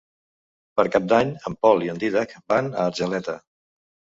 Per Cap d'Any en Pol i en Dídac van a Argeleta.